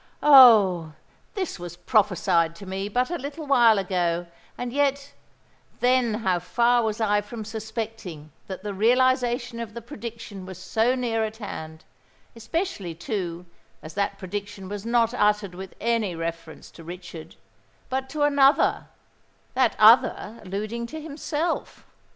Oh! this was prophesied to me but a little while ago;—and yet, then how far was I from suspecting that the realisation of the prediction was so near at hand, especially too, as that prediction was not uttered with any reference to Richard—but to another,—that other alluding to himself!"